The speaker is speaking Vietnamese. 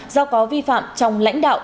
do có vi phạm trong lãnh đạo